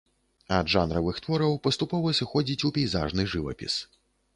Ад жанравых твораў паступова сыходзіць у пейзажны жывапіс.